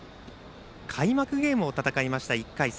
開幕ゲームを戦いました、１回戦。